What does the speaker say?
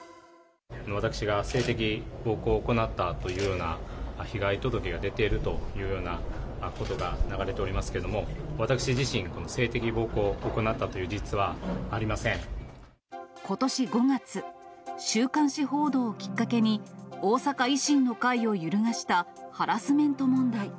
私が性的暴行を行ったというような被害届が出ているというような報道が流れておりますけども、私自身、この性的暴行、行ったとことし５月、週刊誌報道をきっかけに、大阪維新の会を揺るがしたハラスメント問題。